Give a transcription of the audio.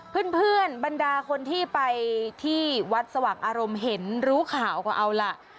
เพื่อนบรรดาคนที่ไปที่วัดสว่างอารมณ์เห็นรู้ข่าวก็เอาล่ะ